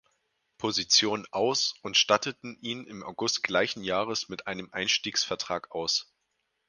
Position aus und statteten ihn im August gleichen Jahres mit einem Einstiegsvertrag aus.